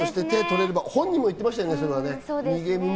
本人もそう言ってましたね。